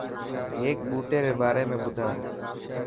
هيڪ ٻوٽي ري باري۾ ٻڌا.